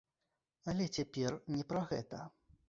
Але цяпер не пра гэта.